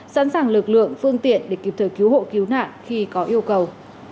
sẵn sàng lực lượng phương tiện để kịp thời cứu hộ cứu nạn khi có yêu cầu